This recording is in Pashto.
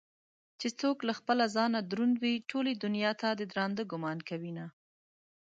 چې څوك له خپله ځانه دروند وي ټولې دنياته ددراندۀ ګومان كوينه